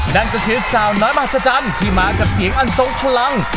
นั่นก็คือสาวน้อยมหัศจรรย์ที่มากับเสียงอันทรงพลัง